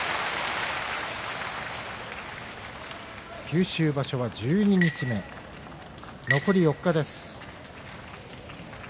九州場所は十二日目残り４日です。